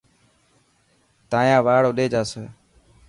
تايان وار اوڏي جاسي.